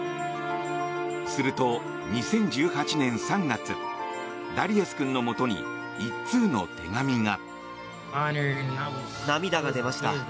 すると、２０１８年３月ダリアス君のもとに１通の手紙が。